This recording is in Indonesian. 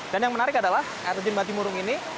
dan yang menarik adalah air terjun bantimurung ini